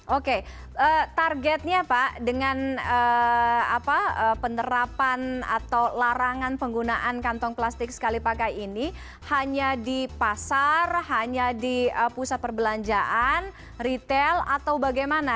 oke targetnya pak dengan penerapan atau larangan penggunaan kantong plastik sekali pakai ini hanya di pasar hanya di pusat perbelanjaan retail atau bagaimana